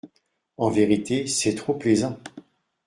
En vérité, c'est trop plaisant !